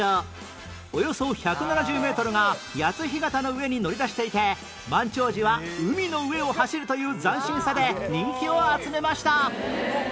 およそ１７０メートルが谷津干潟の上に乗り出していて満潮時は海の上を走るという斬新さで人気を集めました